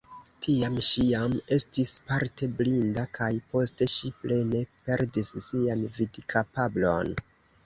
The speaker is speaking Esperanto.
Tiam ŝi jam estis parte blinda kaj poste ŝi plene perdis sian vidkapablon.